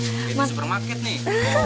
ini supermarket nih